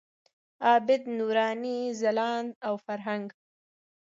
عابد، نوراني، ځلاند او فرهنګ.